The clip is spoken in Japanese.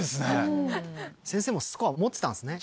先生もスコア持ってたんですね？